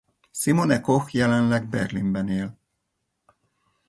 Simone Koch jelenleg Berlinben él.